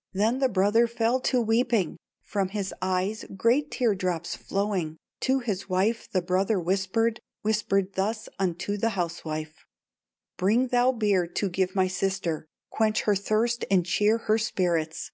'" "Then the brother fell to weeping, From his eyes great tear drops flowing, To his wife the brother whispered, Whispered thus unto the housewife: 'Bring thou beer to give my sister, Quench her thirst and cheer her spirits.